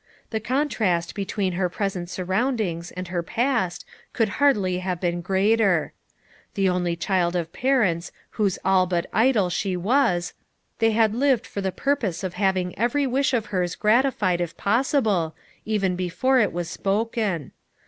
The contrast be tween her present surroundings and her past could hardly have been greater. The only child of parents whose all but idol she was, they had lived for the purpose of having every wish of hers gratified if possible, even before it was spoken.